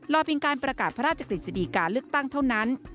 เพียงการประกาศพระราชกฤษฎีการเลือกตั้งเท่านั้น